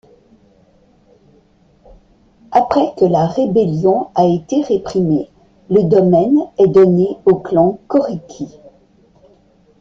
Après que la rébellion a été réprimée, le domaine est donné au clan Kōriki.